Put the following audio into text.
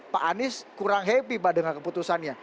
pak anies kurang happy pak dengan keputusannya